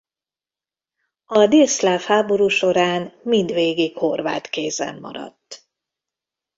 A délszláv háború során mindvégig horvát kézen maradt.